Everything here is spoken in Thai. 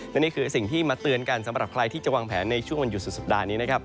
และนี่คือสิ่งที่มาเตือนกันสำหรับใครที่จะวางแผนในช่วงวันหยุดสุดสัปดาห์นี้นะครับ